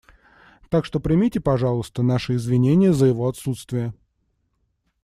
Так что примите, пожалуйста, наши извинения за его отсутствие.